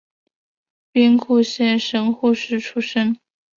兵库县神户市出身。